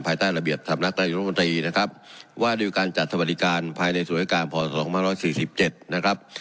ภายใต้ระเบียบสำนักนายรัฐมนตรีนะครับว่าด้วยการจัดสวัสดิการภายในส่วนราชการพศ๒๕๔๗นะครับ